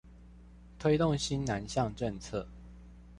推動新南向政策